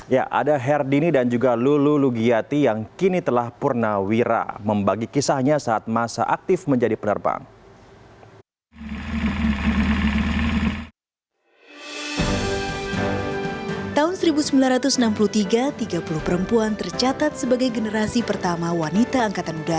ya ada herdini dan juga lulu lugiati yang kini telah purnawira membagi kisahnya saat masa aktif menjadi penerbang